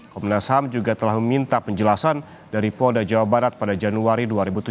komnas ham juga telah meminta penjelasan dari polda jawa barat pada januari dua ribu tujuh belas